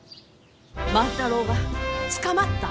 万太郎が捕まった？